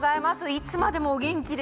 いつまでもお元気で。